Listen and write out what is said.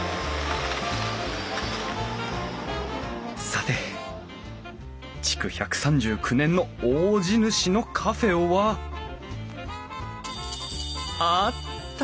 さて築１３９年の大地主のカフェはあった！